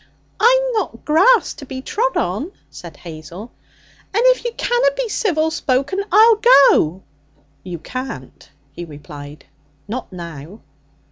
'I'm not grass to be trod on,' said Hazel, 'and if you canna be civil spoken, I'll go.' 'You can't,' he replied, 'not now.'